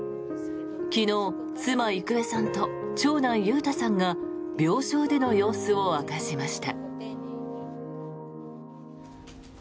昨日、妻・郁恵さんと長男・裕太さんが病床での様子を明かしました。